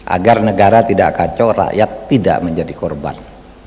agar negara tidak kacau rakyat tidak menjadi korban